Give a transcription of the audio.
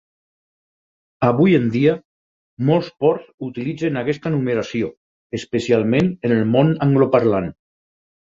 Avui en dia molts ports utilitzen aquesta numeració, especialment en el món angloparlant.